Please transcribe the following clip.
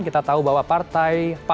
kita tahu bahwa partai